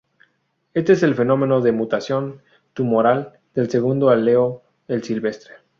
Este es el fenómeno de mutación tumoral del segundo alelo, el silvestre.